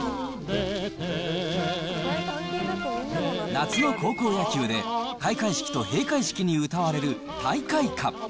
夏の高校野球で、開会式と閉会式に歌われる大会歌。